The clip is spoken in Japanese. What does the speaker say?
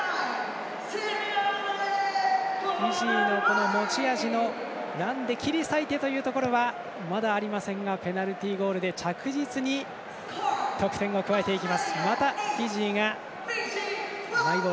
フィジーの、この持ち味のランで切り裂いてというところはまだありませんがペナルティゴールで着実に得点を加えていきます。